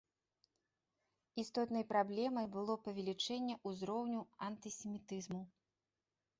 Істотнай праблемай было павелічэнне ўзроўню антысемітызму.